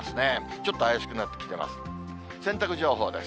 ちょっと怪しくなってきています。